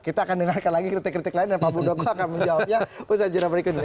kita akan dengarkan lagi kritik kritik lain dan pak muldoko akan menjawabnya usaha jurnal berikut ini